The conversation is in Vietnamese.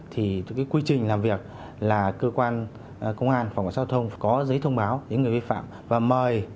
thì quy trình làm việc là cơ quan công an phòng cảnh sát giao thông có giấy thông báo đến người vi phạm và mời